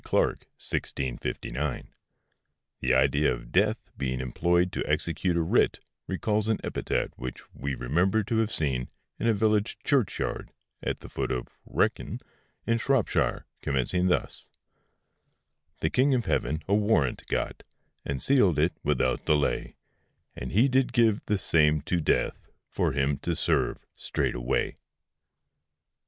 C[larke]., 1659. The idea of Death being employed to execute a writ, recalls an epitaph which we remember to have seen in a village church yard at the foot of the Wrekin, in Shropshire, commencing thus:— 'The King of Heaven a warrant got, And sealèd it without delay, And he did give the same to Death, For him to serve straightway,' &c.